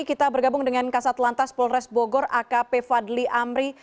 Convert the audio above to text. kita bergabung dengan kasat lantas polres bogor akp fadli amri